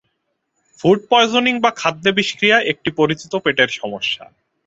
Food poisoning বা খাদ্যে বিষক্রিয়া একটি পরিচিত পেটের সমস্যা।